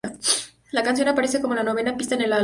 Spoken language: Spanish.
La canción aparece como la novena pista en el álbum.